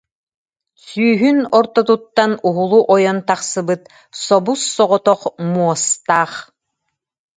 Сүүһүн ортотуттан уһулу ойон тахсыбыт собус-соҕотох муостаах